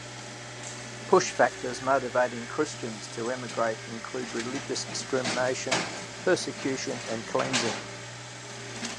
Push factors motivating Christians to emigrate include religious discrimination, persecution, and cleansing.